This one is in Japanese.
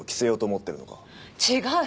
違う！